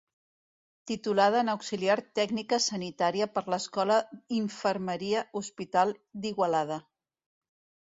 Titulada en auxiliar tècnica sanitària per l'Escola Infermeria Hospital d'Igualada.